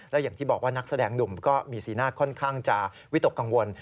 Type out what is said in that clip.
และอย่างที่บอกว่านักแสดงหนุ่มก็มีสีหน้าค่อนข้างจะวิตกกังวล